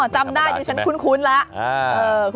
อ๋อจำได้ฉันคุ้นแล้ว